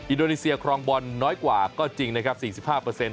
อิดโนเนเซียครองบอลน้อยกว่าก็จริงนะครับสี่สิบห้าเปอร์เซ็นต์